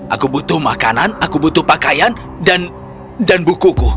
aku butuh makanan aku butuh pakaian dan bukuku